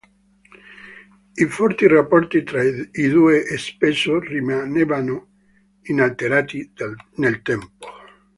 I forti rapporti tra i due spesso rimanevano inalterati nel tempo.